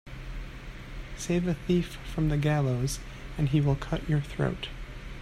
Save a thief from the gallows and he will cut your throat.